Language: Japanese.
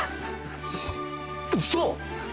ウソ？